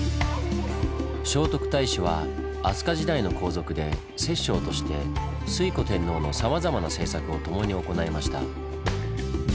聖徳太子は飛鳥時代の皇族で摂政として推古天皇のさまざまな政策をともに行いました。